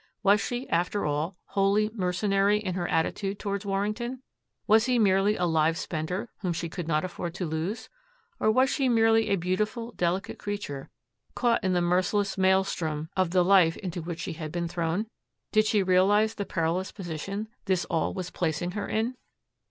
Was she, after all, wholly mercenary in her attitude toward Warrington? Was he merely a live spender whom she could not afford to lose? Or was she merely a beautiful, delicate creature caught in the merciless maelstrom of the life into which she had been thrown? Did she realize the perilous position this all was placing her in?